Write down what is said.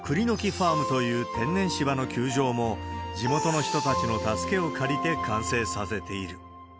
ファームという天然芝の球場も、地元の人たちの助けを借りて完成させている。